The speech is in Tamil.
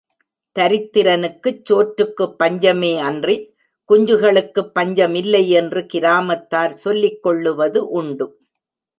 தரித்திரனுக்குச் சோற்றுக்குப் பஞ்சமே அன்றி, குஞ்சுகளுக்குப் பஞ்சமில்லை என்று கிராமத்தார் சொல்லிக் கொள்ளுவது உண்டு.